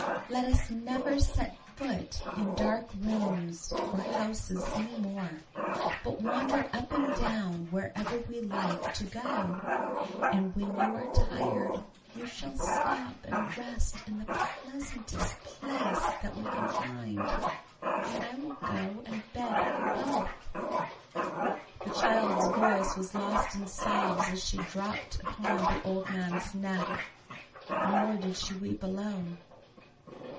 Let us never set foot in dark rooms or houses any more, but wander up and down wherever we like to go; and when you are tired you shall stop and rest in the pleasantest place that we can find, and I will go and beg for both." The child's voice was lost in sobs as she dropped upon the old man's neck; nor did she weep alone.